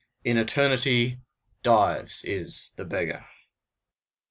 IN ETERNITY, DIVES IS THE BEGGAR!